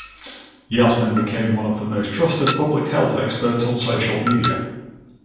Yasmin became one of the most trusted public health experts on social media.